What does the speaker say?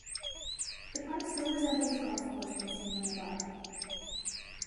The park still resembles a golf course when seen from above.